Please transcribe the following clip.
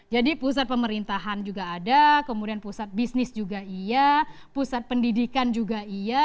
jadi pusat pemerintahan juga ada kemudian pusat bisnis juga iya pusat pendidikan juga iya